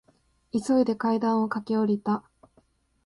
急いで階段を駆け下りた。